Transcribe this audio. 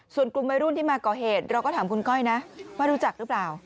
ส่วนกลุ่มวัยรุ่นที่มาก่อเหตุเราก็ถามคุณก้อยนะว่ารู้จักหรือเปล่า